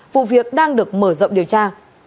vụ việc đang được mở rộng điều tra